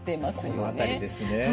この辺りですね。